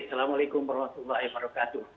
assalamualaikum warahmatullahi wabarakatuh